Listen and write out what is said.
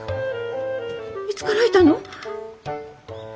いつからいたの？